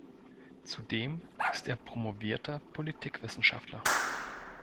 Zudem ist er promovierter Politikwissenschaftler.